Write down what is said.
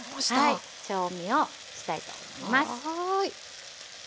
はい調味をしたいと思います。